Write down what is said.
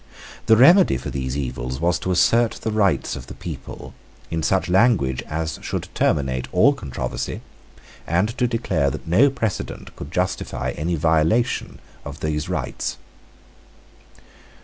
The remedy for these evils was to assert the rights of the people in such language as should terminate all controversy, and to declare that no precedent could justify any violation of those rights.